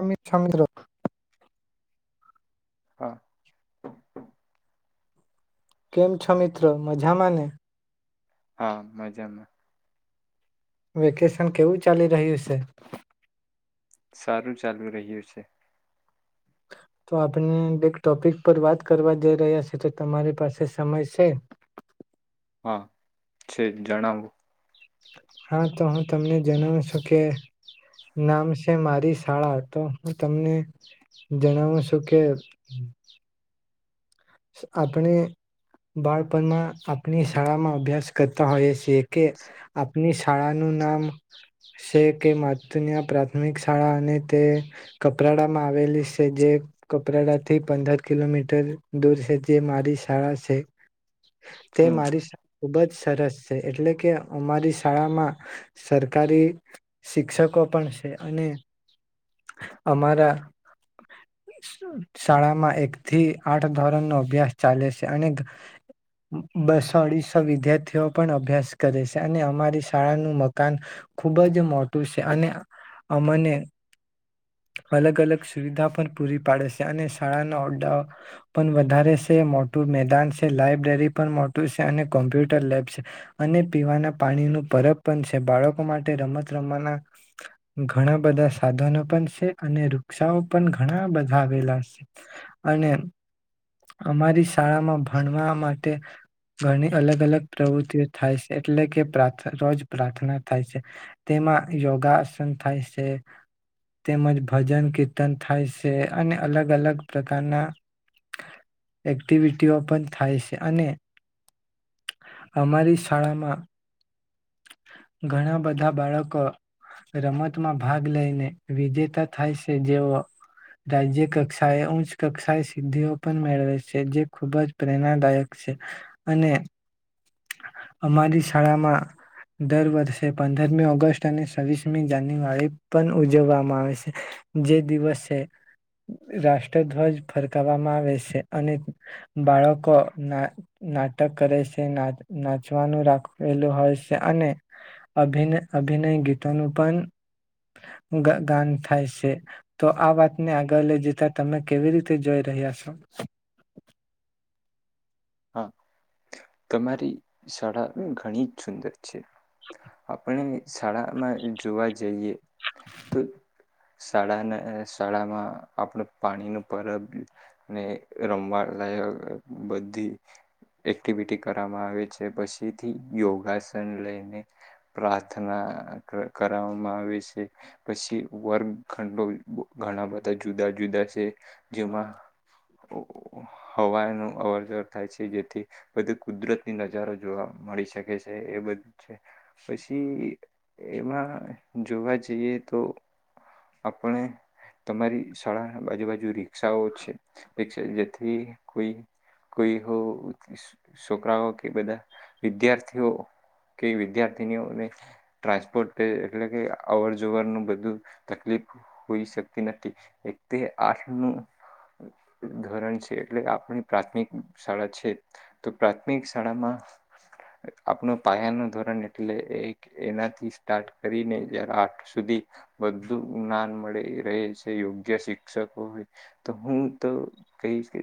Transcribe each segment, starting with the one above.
અમિત સમુદ્ર હા કેમ છો મિત્રો મજામાંને હા મજામાં વેકેશન કેવું ચાલી રહ્યું છે? સારું ચાલુ રહ્યું છે. તો આપણે એક ટોપિક પર વાત કરવા જઈ રહ્યા છે, તો તમારી પાસે સમય છે? હા, છે. જણાવું? હા તો હું તમને જણાવું છું કે, નામ છે મારી શાળા. તો હું તમને, જણાવું છું કે આપણે, બાળપણમાં આપણી શાળામાં અભ્યાસ કરતા હોઈએ છીએ. કે આપની શ શાળાનું નામ છે, કે માતુનિયા પ્રાથમિક શાળા અને તે કપરાડામાં આવેલી છે. જે કપરાડા થી પંદર કિલોમીટર દૂર છે. જે મારી શાળા છે. તે હમ મારી શા ખુબ જ સરસ છે. એટલે કે અમારી શાળામાં સરકારી શિક્ષકો પણ છે, અને અમારા શ શાળામાં એક થી આઠ તક ધોરણ ના અભ્યાસ ચાલે છે. અને ગ બ-બસો અઢીસો વિદ્યાર્થીઓ પણ અભ્યાસ કરે છે. અને અમારી શાળાનું મકાન ખુબજ મોટું છે. અને અમને અલગ-અલગ સુવિધા પણ પૂરી પાડે છે. અને શાળાના ઓરડાઓ પણ વધારે છે, મોટું મેદાન છે. લાયબ્રેરી પણ મોટું છે. અને કોમ્પ્યુટર લેબ છે. અને પીવાના પાણી ન પરત પણ છે. બાળકો માટે રમત રમતના ઘણા બધા સાધનો પણ છે. અને વૃક્ષાઓ પણ ઘણા બધા આવેલા છે. અને અમારી શ શાળામાં ભણવા માટે ઘણી અલગ-અલગ પ્રવૃત્તિઓ થાય છે. એટલે કે પ્રાર્થ તો જ પ્રાર્થના થાય છે. તેમાં યોગાસન થાય છે. તેમજ ભજન કીર્તન થાય છે. અને અલગ અલગ પ્રકારના એક્ટિવિટીઓ પણ થાય છે. અને અમારી શાળામાં ઘણા બધા બાળકો રમતમાં ભાગ લઈને વિજેતા થાય છે. જેઓ રાજ્ય કક્ષાએ ઉચ્ચ કક્ષાએ સિદ્ધિઓ પણ મેળવે છે, જે ખૂબ જ પ્રેરણાદાયક છે. અને અમારી શાળામાં દર વર્ષે પંદરમી ઓગસ્ટ અને છવીસમી જાન્યુઆરી પણ ઉજવવામાં આવે છે. જે દિવસે રાષ્ટ્રધ્વજ ફરકવામાં આવે છે. અને બાળકો ના નાટક કરે છે. નાચ-નાચવાનું રાખેલું હોય સ તે અને અભિન-અભિનય ગીતોનું પણ ગ-ગાન થાય છે. તો આ વાતને આગળ લઈ જતા તમે કેવી રીતે જોઈ રહ્યા છો? હા, તમારી શાળા ઘણી જ સુંદર છે. આપણે મિ શાળામાં જોવા જઈએ તો શાળાને-શાળામાં આપડે પાણી નો પરબ ને રમવા લાયક બધી એક્ટિવિટી કરવામાં આવે છે. પછીથી યોગાસન લઈને પ્રાર્થના ક-કરાવામાં આવે છે. પછી વર્ગ ખંડલ, ઘણા બધા જુદા-જુદા છે. જેમાં, હવારનું અવર જવર થાય છે. જેથી, બધી કુદરતની નજારો જોવા મળી શકે છે, એ બધું છે. પછી, એમાં જોવા જઈએ તો, આપણે તમારી શાળા બાજુ-બાજુ રિક્ષાઓ છે. રિક્ષા જેથી કોઈ કોઈ હો છો-છોકરાઓ કે, બધા વિદ્યાર્થીઓ કે, વિદ્યાર્થીનીઓને ટ્રાન્સપોર્ટ એટલે કે, અવર જવરનું બધું તકલીફ હોઈ શકતી નથી. એકતે આઠ નું ધોરણ છે. એટલે આપણી પ્રાથમિક શાળા છે. તો પ્રાથમિક શાળામાં, આપનો પાયાનો ધોરણ એટલે એક એનાથી સ્ટાર્ટ કરીને જયારે, આઠ સુધી વધુ જ્ઞાન મળી રહે છે. યોગ્ય શિક્ષકો હોય તો, હું તો કહીશ કે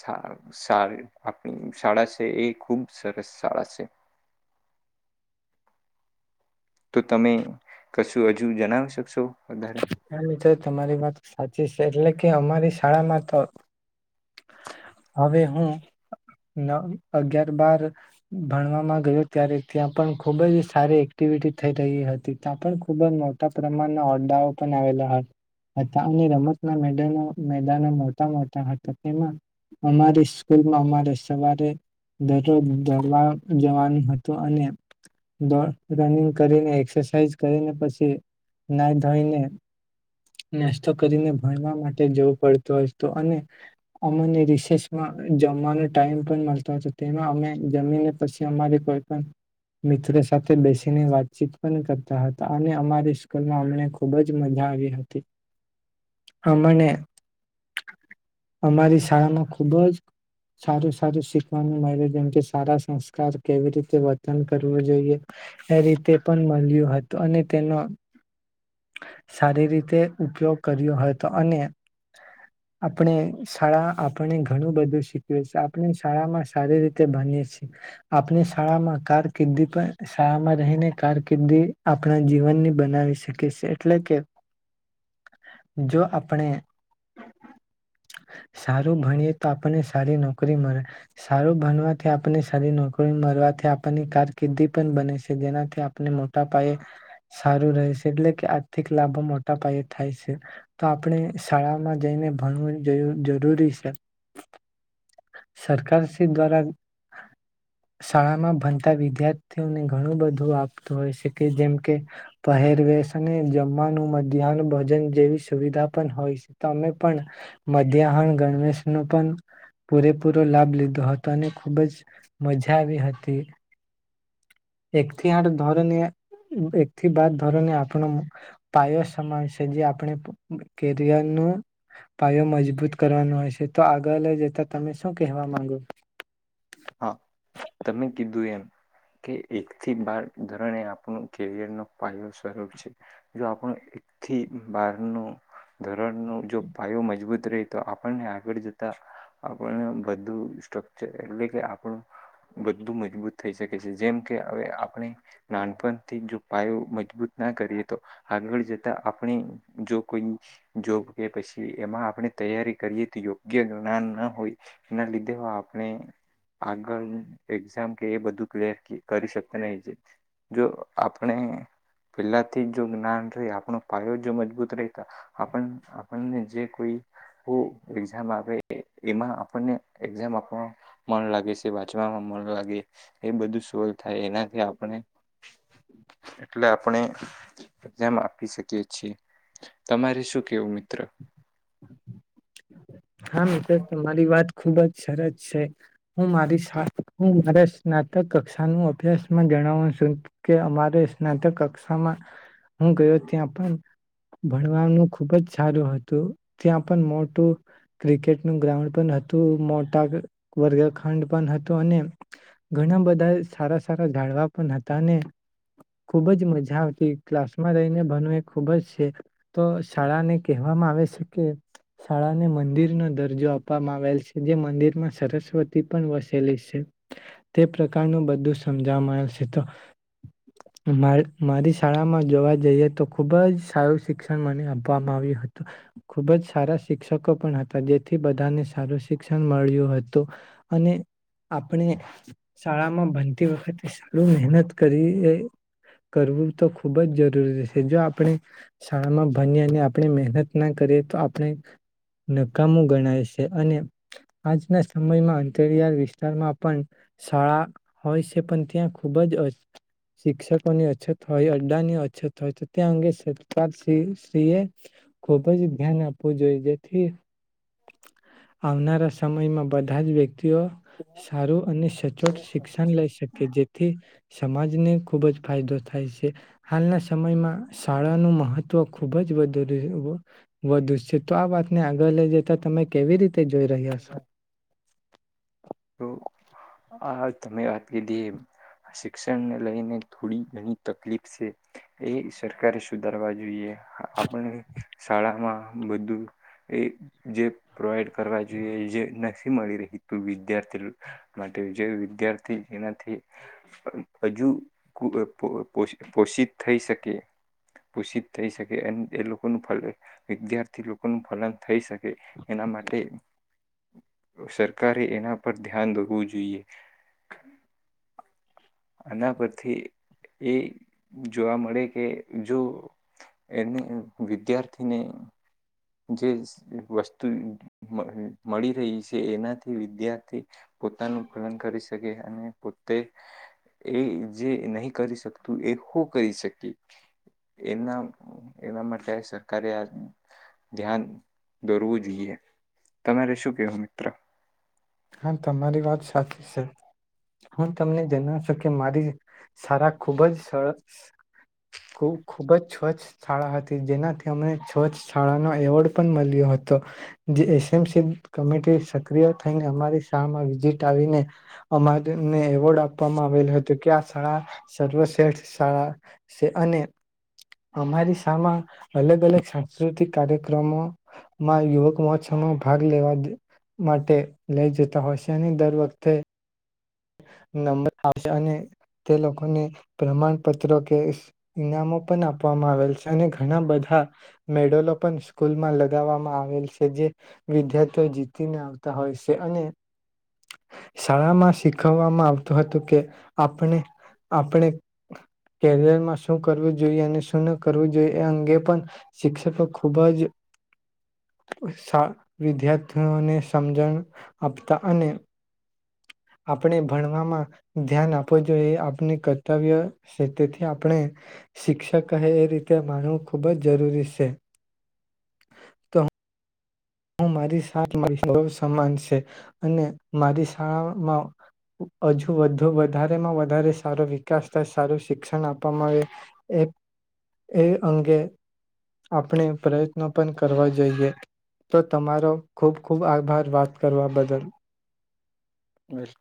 શા શાળ આપણી શાળા છે, એ ખૂબ સરસ શાળા છે. તો તમે કશું હજુ જનાવ શકશો? વધારે [inaudible] તમારી વાત સાચી છે. એટલે કે, અમારી શાળામાં તો, હવે હું ન અગિયાર, બાર ભણવામાં ગયો. ત્યારે ત્યાં, પણ ખૂબજ સારી એક્ટિવિટી થઈ રહી હતી. ત્યાં, પણ ખૂબ જ મોટા પ્રમાણના દાવો પણ આવેલા હ-હતા. અને રમતના મેડલો મેદાનો મોટા-મોટા હતા. તેમાં, અમારી સ્કૂલમાં અમારે સવારે દરરોજ દોડવા જવાનું હતું. અને દોડ રનિગ કરીને, એક્સરસાઇઝ કરીને પછી, ના નાય ને, નાસ્તો કરીને ભણવા માટે જવું પડતું હતું. અને અમને રિસેસમાં જમવાનો ટાઈમ પણ મળતો હતો. તેમાં અમે જમીને પછી અમારી કોઈ પણ મિત્રો સાથે બેસીને વાતચીત પણ કરતા હતા. અને અમારી સ્કૂલમાં અમને ખૂબ જ મજા આવી હતી. એમણે, અમારી શાળામાં ખૂબ જ સારું-સારું શીખવાનું મળ્યું, જેમ કે, સારા સંસ્કાર, કેવી રીતે વર્તન કરવું જોઈએ, એ રીતે પણ મળ્યું હતું. અને તેનો સારી રીતે ઉપયોગ કર્યો હતો. અને આપણે શાળા આપણે ઘણું બધું શીખએ છે. આપણે શાળામાં સારી રીતે બનીએ છીએ. આપણી શાળામાં કારકિર્દી પણ શાળામાં રહીને કારકિર્દી આપણા જીવનની બનાવીશ. કે શે એટલે કે, જો આપણે સારું ભણીએ તો આપણને સારી નોકરી મળે. સારું ભણવાથી આપને સારી નોકરી મળવાથી આપણની કારકિર્દી પણ બને છે, જેનાથી આપને મોટા પાયે સારું રહેશે. એટલે કે, આર્થિક લાભો મોટા પાયે થાય છે. તો આપણે શાળામાં જઈને ભણવું જરૂ-જરૂરી છે. સરકારશ્રી દ્વારા, શાળામાં ભણતા વિદ્યાર્થીઓને ઘણું બધું આપતું હોય છે, કે જેમ કે, પહેરવે શને જમવાનું, મધ્યાહન ભોજન જેવી, સુવિધા પણ હોય છે. તો અમે પણ મધ્યાહન ગણવેશ નો પણ પૂરેપૂરો લાભ લીધો હતો. ને ખુબજ મજા આવી હતી. એકથી આઠ ધોરણે, એકથી બાર ધોરણે આપ નો પાયો સમાવેશ છે, જે આપણે કેરિયરનું પાયો મજબૂત કરવાનો હોય છે. તો આગળ લઈ જતા તમે શું કહેવા માંગો? હ, તમે કીધું એમ કે એકથી બાર ધોરણે આપણું કેરિયરનો પાયો સ્વરૂપ છે. જો આપણું એકથી બારનું ધોરણનું જો પાયો મજબૂત રહે, તો આપણને આગળ જતા આપણનો બધું સ્ટ્રક્ચર એટલે કે આપણું બધું મજબૂત થઈ શકે છે. જેમકે હવે, આપણે નાનપણથી જો પાયો મજબૂત ના કરીએ, તો આગળ જતા આપણે જો કોઈ, જોબ કે પછી એમાં આપણે તૈયારી કરીએ તો યોગ્ય જ્ઞાન ના હોય, એના લીધે ઓ આપણે આગળ એક્ઝામ કે એ બધું ક્લીઅર કરી શકતા નહી. જો આપણે પેલાથી જો જ્ઞાન રે, આપણો પાયો જો મજબૂત રહેતા આપણ-આપણને જે કોઈ હું એઝામ આવે એમાં આપણે એક્ઝામ આપવા મન લાગે છે. વાંચવામાં મન લાગે, એ બધું સોલ્ થાય એનાથી આપણે એટલે આપણે એકઝામ આપી શકીએ છીએ. તમારી શું કેવું મિત્ર? હા, મિત્ર તમારી વાત ખૂબ જ સરસ છે. હું મારી સા હું મારા સ્નાતક કક્ષા નું અભ્યાસમાં જણાવું છું. કે, અમારે સ્નાતક કક્ષામાં હું ગયો ત્યાં, પણ ભણવાનું ખુબ જ સારું હતું. ત્યાં પણ મોટું ક્રિકેટનું ગ્રાઉન્ડ પણ હતું. મોટા ગ વર્ગ ખન્ડ પણ હતું અને ઘણા બધા સારા સારા ઝાડવા પણ હતા અને ખુબ જ મજા આવતી. ક્લાસ માં રહીને ભનવું એ ખુબ જ સે. તો શાળાને કહેવામાં આવે સે કે, શાળાને મં દિરનો દર્જો આપવામાં આવેલ છે. જે મંદિરમાં સરસ્વતી પણ વસેલી સે. તે પ્રકારનું બધું સમજાવામાં આવસે તો, માર મારી શાળામાં જોવા જઈએ તો ખુબ જ સારું શિક્ષણ મને આપવામાં આવ્યું હતું. ખુબ જ સારા શિક્ષકો પણ હ તા જેથી બધાને સારું શિક્ષણ મળ્યું હતું. અને આપણે શાળામાં ભનતી વખતે સારું મહેનત કરીએ કરવું તો ખૂબ જ જરૂરી છે. જો આપણે શાળામાં ભનીએ અને આપણે મહેનત ના કરીએ તો આપણે નકામું ગણાય સે. અને આજના સમયમાં અંતરિયાળ વિસ્તારમાં પણ શાળા હોય સે. પણ ત્યાં ખૂબ જ અ શિક્ષકોની અછત હોય, અડ્ડાની અછત હોય તો ત્યાં અંગે સરકાર સી શ્રીએ ખૂબ જ ધ્યાન આપવું જોએ. જેથી આવનારા સમયમાં બધા જ વ્યક્તિઓ સારું અને સચોટ શિક્ષણ લઈ શકે. જેથી સમાજને ખુબ જ ફાયદો થાય છે. હાલના સમયમાં શાળાનું મહત્વ ખુબ જ વધ દુર એવ વધુ છે. તો આ વાતને આગ ગળ લઈ જતા તમે કેવી રી તે જોઈ રહ્યા સો? તો આ તમે વાત કીધી એ શિક્ષણને લઈને થોડી ઘણી તકલીફ સે. એ સરકારે સુધારવા જોઈએ. હા, આપણને શાળામાં બધું એ જે પ્રોવાઈડ કરવા જે જે નથી મળી રહી તું વિદ્યાર્થી લ માટે જે વિદ્યાર્થી એનાથી અ હજુ કુ અ પો પોષિ પોષિત થઈ શકે. પોષિત થઈ શકે અન એ લોકોનું ફલ વિદ્યાર્થી લોકોનું ફલન થઈ શ કે એના માટે સરકારે એના પર ધ્યાન દોહવું જોઈએ, આના પરથી એ જોવા મળે કે જો એને વિદ્યાર્થીને જે સ વસ્તુ મ મળી રહી છે, એનાથી વિદ્યાર્થી પોતાનું ફલન કરી શકે અને પો તે એ જે નહી કરી શકતું એ ખુ કરી શકે એના એના માટે સરકારે આ ધ્યાન દોરવું જોઈએ. તમારે શું કેહવુ મિત્ર? હા તમારી વાત સાચી સે. હું તમને જણાવ છુ કે મારી સારા ખૂબ જ સરસ ખૂબ-ખુબ જ છ્વચ્છ છાળા હતી. જેનાથી અમને છ્વચ્છ છાળાનો એવોર્ડ પણ મલ્યો હતો જે એસ એમ સી કમિટી સક્રિય થઈને અમારી શાળમાં વિઝિટ આવીને અમાર ને એવોર્ડ આપવામાં આવેલ હતું કે, આ શાળા સર્વશ્રેષ્ઠ શાળા સે અને અમારી શામાં અલગ અલગ સાંસ્કૃતિક કાર્યક્રમો માં યુવક મહોત્સવમાં ભાગ લેવા દ માટે લઈ જતા હોય સે અને દર વખતે નંબર આવ સે અને તે લોકોને પ્રમાણપત્રો કે સ ઈનામો પન આપવામાં આવેલ છે અને ઘણા બધા મેડલો પણ સ્કૂલમાં લગાવામાં આવેલ સે, જે વિદ્યાર્થીઓ જીતીને આવતા હોય સે અને શાળામાં શીખાવામાં આવતું હતું કે, આપણે-આપણે કેરિયરમાં શું કરવું જોઈએ અને શું ન કરવું જોઈએ. એ અંગે પણ શિક્ષકો ખુબ જ સા વિદ્યાર્થીઓને સમજણ આપતા અને આપણે ભણવામાં ધ્યાન આપવું જોઈએ આપની કર્તવ્ય સે તેથી આપણે શિક્ષક કહે એ રીતે માનવું ખૂબ જ જરૂરી સે, તો હું મારી સા [unintelligible] સમાન સે અને મારી શાળામાં હજુ વધુ વધારેમાં વધારે સારો વિકાસ થાય, સારું શિક્ષણ આપવામાં આવે એ એ અંગે આપણે પ્રયત્નો પણ કરવા જોઈએ. તો તમારો ખૂબ ખૂબ આભાર વાત કરવા બદલ. વેલ ક